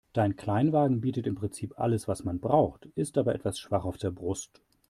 Dein Kleinwagen bietet im Prinzip alles, was man braucht, ist aber etwas schwach auf der Brust.